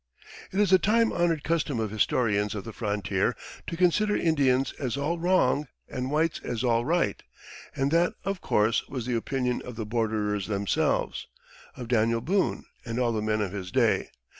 It is the time honored custom of historians of the frontier to consider Indians as all wrong and whites as all right; and that, of course, was the opinion of the borderers themselves of Daniel Boone and all the men of his day.